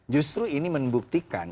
justru ini membuktikan